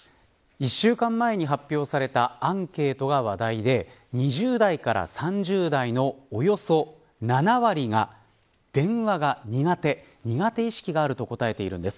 １週間前に発表されたアンケートが話題で２０代から３０代のおよそ７割が電話が苦手苦手意識があると答えているんです。